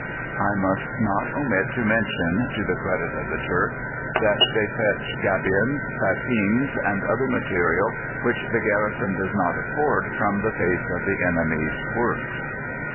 I must not omit to mention, to the credit of the Turks, that they fetch gabions, fascines, and other material which the garrison does not afford from the face of the enemy's works."